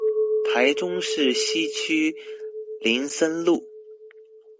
台中市西區林森路